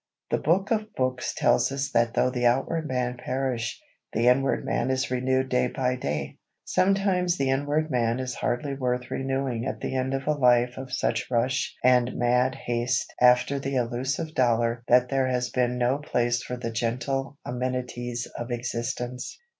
The Book of books tells us that though the outward man perish, the inward man is renewed day by day. Sometimes the inward man is hardly worth renewing at the end of a life of such rush and mad haste after the elusive dollar that there has been no place for the gentle amenities of existence.